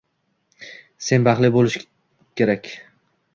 “Sen baxtli bo‘lishing kerak!”